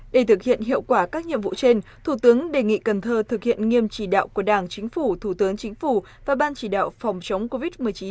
để thực hiện hiệu quả các nhiệm vụ trên thủ tướng đề nghị cần thơ thực hiện nghiêm chỉ đạo của đảng chính phủ thủ tướng chính phủ và ban chỉ đạo phòng chống covid một mươi chín